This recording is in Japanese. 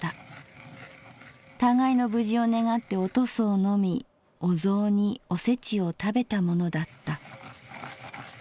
互いの無事を願ってお屠蘇を飲みお雑煮おせちを食べたものだった」。